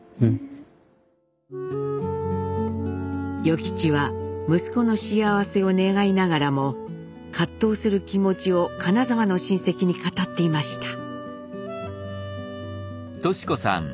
与吉は息子の幸せを願いながらも葛藤する気持ちを金沢の親戚に語っていました。